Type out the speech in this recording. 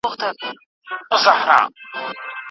د ږدن په پټي کي اتڼ له ډاره په بشپړ ډول ړنګیږي.